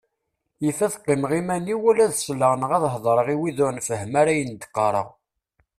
Yif ad qqimeɣ iman-iw wala ad sleɣ neɣ ad heddreɣ i wid ur nfehhem ara ayen d-qqareɣ.